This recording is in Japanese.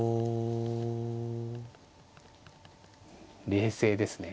冷静ですね。